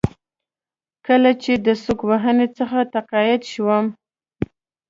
کله چې د سوک وهنې څخه تقاعد شوم.